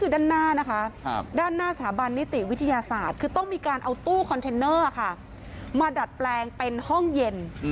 ด้านหน้านะคะด้านหน้าสถาบันนิติวิทยาศาสตร์คือต้องมีการเอาตู้คอนเทนเนอร์ค่ะมาดัดแปลงเป็นห้องเย็น